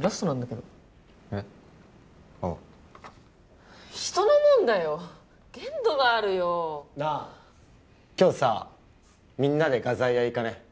ラストなんだけどえっああ人のもんだよ限度があるよなあ今日さみんなで画材屋行かね？